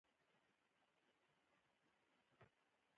افغانستان کې خاوره د خلکو د خوښې وړ یو ځای دی.